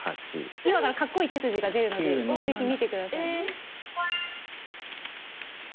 今からかっこいい手筋が出るのでぜひ見て下さい。